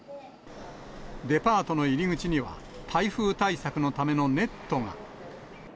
デパートの入り口には台風対策のためのネットが。